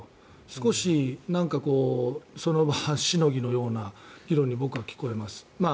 少しその場しのぎのような議論に僕は聞こえます。